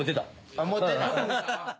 あっ持ってった？